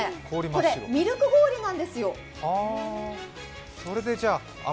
これ、ミルク氷なんですよ。